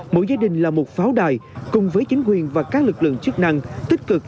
mỗi gia đình là một pháo đài cùng với chính quyền và các lực lượng chức năng tích cực